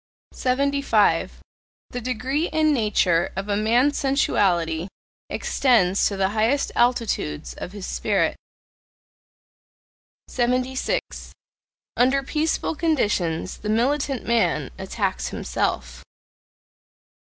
75. The degree and nature of a man's sensuality extends to the highest altitudes of his spirit. 76. Under peaceful conditions the militant man attacks himself.